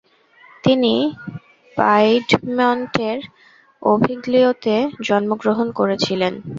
তিনি পাইডমন্টের ওভিগ্লিওতে জন্মগ্রহণ করেছিলেন।